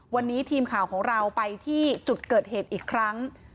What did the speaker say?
วันนี้ทีมข่าวของเราไปที่จุดเกิดเหตุอีกครั้ง